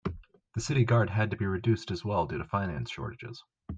The city guard had to be reduced as well due to finance shortages.